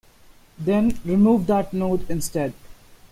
Then remove that node instead.